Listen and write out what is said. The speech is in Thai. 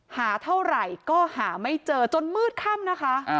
หาเท่าไหร่ก็หาไม่เจอจนมืดค่ำนะคะ